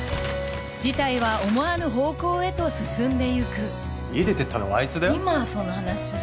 事態は思わぬ方向へと進んでゆく家出てったのはあいつだよ今その話する？